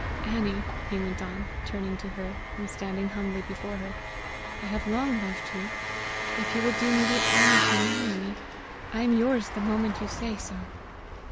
Annie," he went on, turning to her, and standing humbly before her, "I have long loved you; if you will do me the honor to marry me, I am yours the moment you say so."